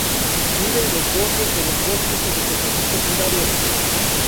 Vive en los bordes de los bosques y vegetación secundaria.